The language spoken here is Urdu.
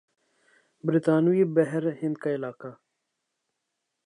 برطانوی بحر ہند کا علاقہ